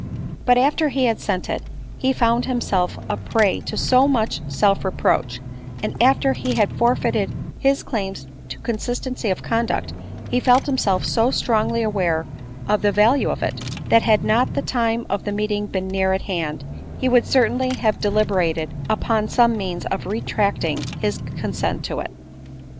But after he had sent it, he found himself a prey to so much self reproach, and after he had forfeited his claims to consistency of conduct, he felt himself so strong ly aware of the value of it, that had not the time of the meeting been near at hand, he would certainly have deliberated upon some means of retracting his consent to it.